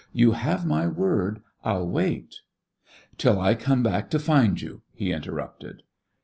You have my word. I'll wait " "Till I come back to find you," he interrupted.